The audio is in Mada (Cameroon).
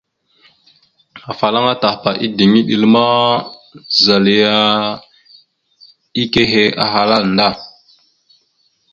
Afalaŋa Tahpa ideŋ iɗel ma, zal yana ike ekehe ahala nda.